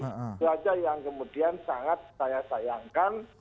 itu saja yang kemudian sangat saya sayangkan